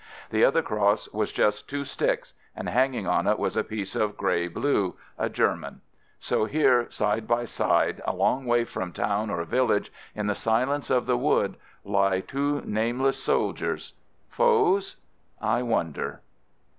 The other cross was just two sticks, and hang ing on it was a piece of gray blue, — a German. So here, side by side, a long, long way from town or village, in the si lence of the wood, lie two nameless sol diers. Foes? I wonder.